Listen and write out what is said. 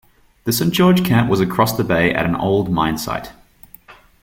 The Saint George camp was across the bay at an old mine site..